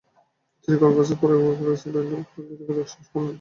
তিনি Conference for Progressive and Political Action সম্মেলনে সক্রিয় ছিলেন।